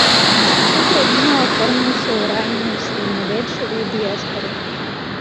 Інстытут рабінаў аформіўся ў раннім сярэднявеччы ў дыяспары.